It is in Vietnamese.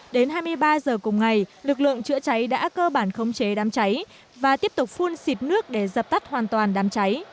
đến hai mươi ba giờ cùng ngày lực lượng chữa cháy đã cơ bản khống chế đám cháy và tiếp tục phun xịt nước để dập tắt hoàn toàn đám cháy